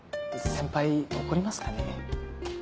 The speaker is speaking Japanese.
先輩怒りますかね？